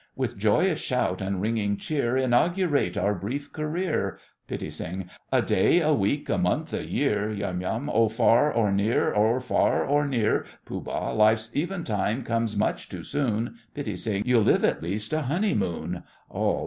With joyous shout and ringing cheer, Inaugurate our brief career! PITTI SING. A day, a week, a month, a year— YUM. Or far or near, or far or near, POOH. Life's eventime comes much too soon, PITTI SING. You'll live at least a honeymoon! ALL.